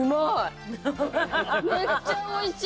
めっちゃおいしい！